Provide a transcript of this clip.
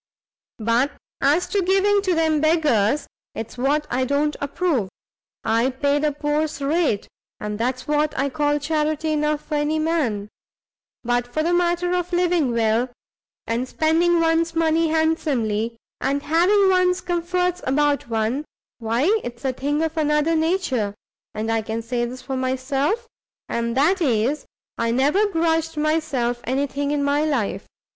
But as to giving to them beggars, it's what I don't approve; I pay the poor's rate, and that's what I call charity enough for any man. But for the matter of living well, and spending one's money handsomely, and having one's comforts about one, why it's a thing of another nature, and I can say this for myself, and that is, I never grudged myself any thing in my life.